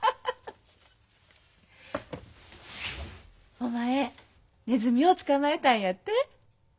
お前ねずみを捕まえたんやって？